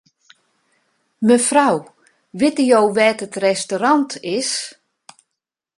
Mefrou, witte jo wêr't it restaurant is?